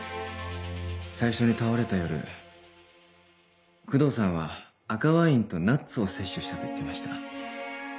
最初に倒れた夜工藤さんは赤ワインとナッツを摂取したと言っていました。